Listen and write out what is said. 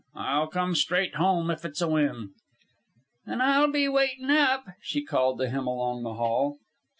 I'll come straight home if it's a win." "An' I'll be waitin' up," she called to him along the hall.